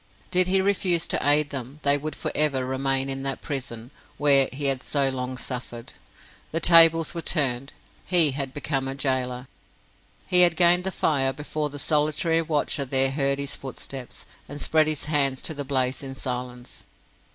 Did he refuse to aid them, they would for ever remain in that prison, where he had so long suffered. The tables were turned he had become a gaoler! He had gained the fire before the solitary watcher there heard his footsteps, and spread his hands to the blaze in silence.